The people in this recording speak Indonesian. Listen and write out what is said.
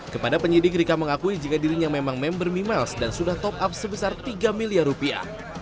kepada penyidik rika mengakui jika dirinya memang member mimiles dan sudah top up sebesar tiga miliar rupiah